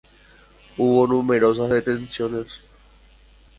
Hubo numerosas detenciones.